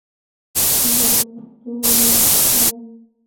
زه پښتو لوست لولم.